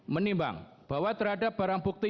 menimbang bahwa terhadap barang bukti